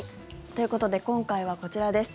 ということで今回はこちらです。